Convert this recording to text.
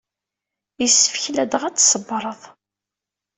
Yessefk ladɣa ad tṣebreḍ.